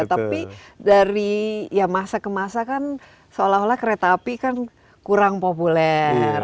tapi dari ya masa ke masa kan seolah olah kereta api kan kurang populer